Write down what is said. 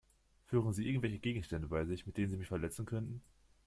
Führen Sie irgendwelche Gegenstände bei sich, mit denen Sie mich verletzen könnten?